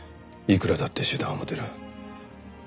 いくらだって手段を持ってる。